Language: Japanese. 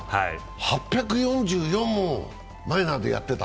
８４４もマイナーでやってた？